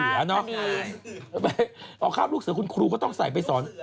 ไปเอาข้าวลูกเสือคุณครูก็ต้องใส่ไปสอน